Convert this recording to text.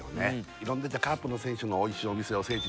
いろんなカープの選手のおいしいお店を聖地